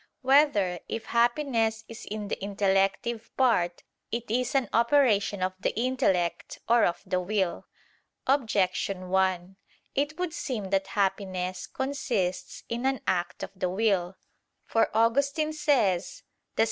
4] Whether, If Happiness Is in the Intellective Part, It Is an Operation of the Intellect or of the Will? Objection 1: It would seem that happiness consists in an act of the will. For Augustine says (De Civ.